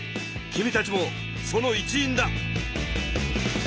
君たちもその一員だ！